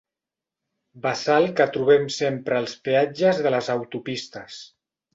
Bassal que trobem sempre als peatges de les autopistes.